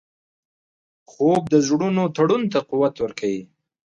خوب د زړونو تړون ته قوت ورکوي